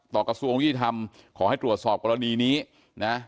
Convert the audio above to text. กระทรวงยุติธรรมขอให้ตรวจสอบกรณีนี้นะ